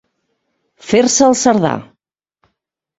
Fer-se el cerdà.